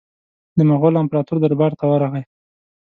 د مغول امپراطور دربار ته ورغی.